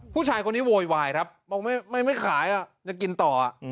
ผู้ชายคนนี้โวยวายครับบอกไม่ขายยังกินต่อ